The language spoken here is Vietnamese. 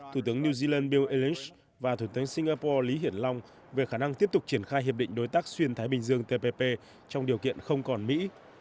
thủ tướng new zealand bull elish và thủ tướng singapore lý hiển long về khả năng tiếp tục triển khai hiệp định đối tác xuyên thái bình dương tpp trong điều kiện không còn mỹ